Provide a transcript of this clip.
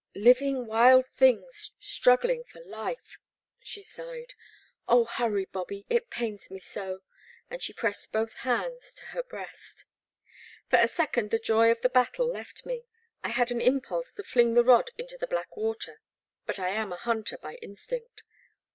I<iving wild things struggling for life/* she sighed. Oh, hurry, Bobby, — ^it pains me so! and she pressed both hands to her breast. For a second the joy of the battle left me. I had an impulse to fling the rod into the Black Water; but I am a hunter by instinct.